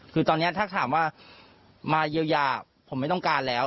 คือตอนนี้ถ้าถามว่ามาเยียวยาผมไม่ต้องการแล้ว